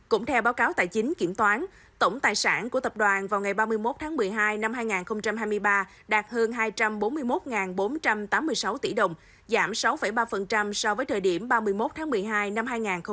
cũng theo báo cáo tài chính kiểm toán tổng tài sản của tập đoàn vào ngày ba mươi một tháng một mươi hai năm hai nghìn hai mươi ba đạt hơn hai trăm bốn mươi một bốn trăm tám mươi sáu tỷ đồng giảm sáu ba so với thời điểm ba mươi một tháng một mươi hai năm hai nghìn hai mươi hai